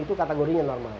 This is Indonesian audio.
itu kategorinya normal